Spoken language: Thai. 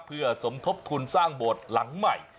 เพื่อสมทบทุนสร้างโบสถ์หลังใหม่